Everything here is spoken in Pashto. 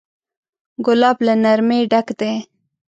ګلاب له نرمۍ ډک دی.